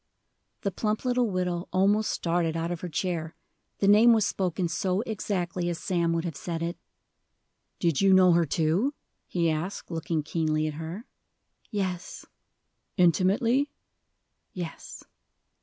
The plump little widow almost started out of her chair, the name was spoken so exactly as Sam would have said it. "Did you know her, too?" he asked, looking keenly at her. "Yes." "Intimately?" "Yes."